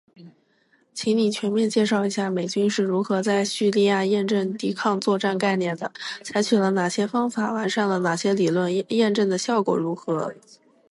请你全面介绍一下美军是如何在叙利亚验证“抵抗作战概念”的，采取了哪些方法，完善了哪些理论，验证的效果如何？